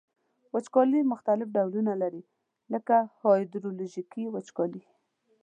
وچکالي مختلف ډولونه لري لکه هایدرولوژیکي وچکالي.